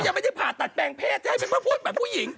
ยังไม่ได้ผ่าตัดแปลงเพศให้เป็นมาพูดแบบผู้หญิง